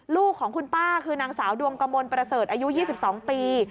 ลูกของคุณป้าคือนางสาวดวงกมลประเสริฐอายุ๒๒ปี